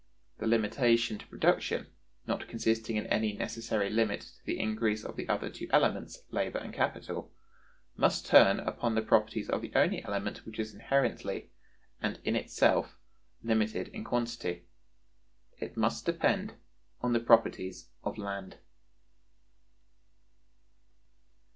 The limitation to production, not consisting in any necessary limit to the increase of the other two elements, labor and capital, must turn upon the properties of the only element which is inherently, and in itself, limited in quantity. It must depend on the properties of land.